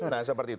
nah seperti itu